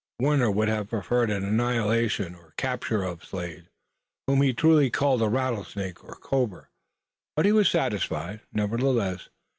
Warner would have preferred the annihilation or capture of Slade, whom he truly called a rattlesnake or cobra, but he was satisfied, nevertheless.